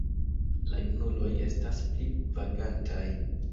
La junuloj estas pli vagantaj.